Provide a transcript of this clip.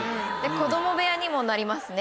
子供部屋にもなりますね